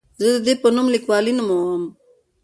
زه یې د ده په نوم او لیکلوالۍ نوموم.